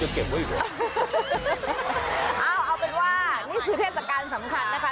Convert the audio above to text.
เอาเอาเป็นว่านี่คือเทศกาลสำคัญนะคะ